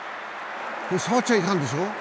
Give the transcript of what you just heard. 触っちゃいかんですよ。